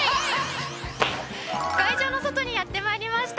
会場の外にやって参りました。